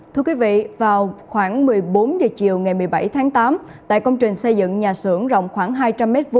thưa quý vị vào khoảng một mươi bốn h chiều ngày một mươi bảy tháng tám tại công trình xây dựng nhà xưởng rộng khoảng hai trăm linh m hai